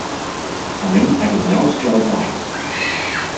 Anem a Vinyols i els Arcs.